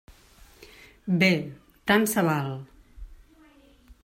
Bé, tant se val.